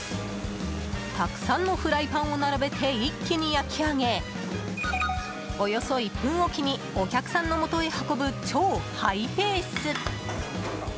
たくさんのフライパンを並べて一気に焼き上げおよそ１分おきにお客さんのもとへ運ぶ超ハイペース。